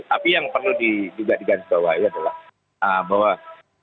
tapi yang perlu juga diganti bawah itu adalah bahwa kalau kita melihat